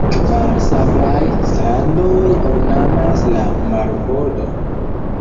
Kvar sablaj strandoj ornamas la marbordon.